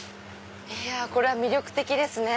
これは魅力的ですね。